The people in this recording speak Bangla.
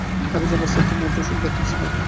আকাশের অবস্থা তো মোটেও সুবিধার ঠেকছে না।